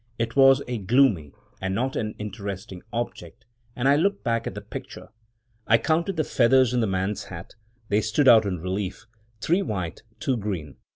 It was a gloomy and not an interesting object, and I looked back at the picture. I counted the feathers in the man's hat — they stood out in relief — three white, two green.